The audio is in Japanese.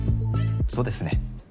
そうですね。